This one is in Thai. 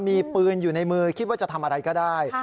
มีปืนอยู่ในมือคิดว่าจะทำอะไรก็ได้